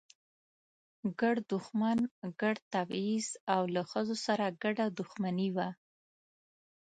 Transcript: ګډ دښمن، ګډ تبعیض او له ښځو سره ګډه دښمني وه.